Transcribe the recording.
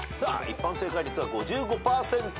一般正解率は５５％。